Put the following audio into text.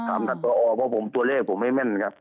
ถามดรเพราะตัวเลขไม่แม่น